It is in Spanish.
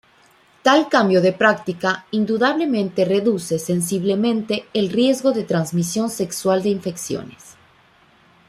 Tal cambio de práctica indudablemente reduce sensiblemente el riesgo de transmisión sexual de infecciones.